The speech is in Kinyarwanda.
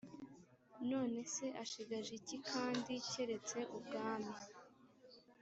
None se ashigaje iki kandi keretse ubwami?